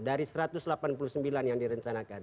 dari satu ratus delapan puluh sembilan yang direncanakan